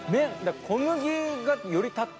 小麦がよりたった。